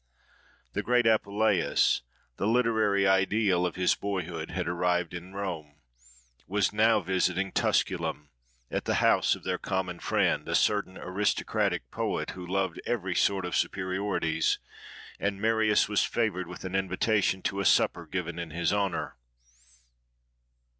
The great Apuleius, the literary ideal of his boyhood, had arrived in Rome,—was now visiting Tusculum, at the house of their common friend, a certain aristocratic poet who loved every sort of superiorities; and Marius was favoured with an invitation to a supper given in his honour.